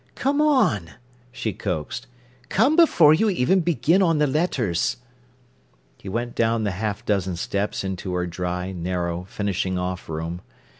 "Come on," she coaxed. "Come before you begin on the letters." He went down the half dozen steps into her dry, narrow, "finishing off" room.